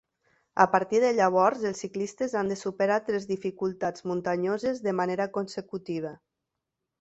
A partir de llavors els ciclistes han de superar tres dificultats muntanyoses de manera consecutiva.